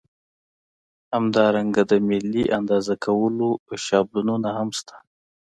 همدارنګه د ملي اندازه کولو شابلونونه هم شته.